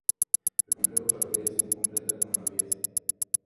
El complejo ferroviario se completa con más vías.